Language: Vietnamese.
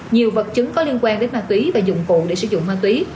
nhiều vật chứng có liên quan đến ma túy và dụng cụ để sử dụng ma túy